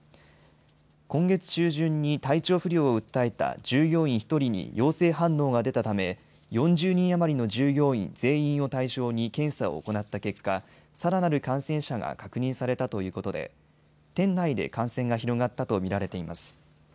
今月中旬に体調不良を訴えた従業員１人に陽性反応が出たため４０人余りの従業員全員を対象に検査を行った結果、さらなる感染者が確認されたということで店内で感染が広がったと見られています。